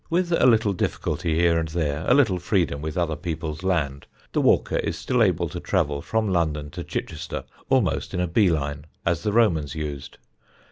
With a little difficulty here and there, a little freedom with other people's land, the walker is still able to travel from London to Chichester almost in a bee line, as the Romans used.